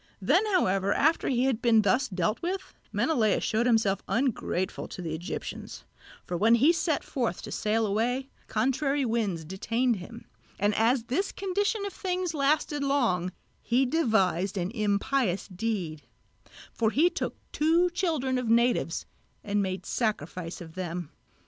Then, however, after he had been thus dealt with, Menelaos showed himself ungrateful to the Egyptians; for when he set forth to sail away, contrary winds detained him, and as this condition of things lasted long, he devised an impious deed; for he took two children of natives and made sacrifice of them.